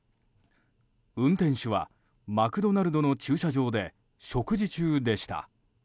運転手はマクドナルドの駐車場で食事中でした。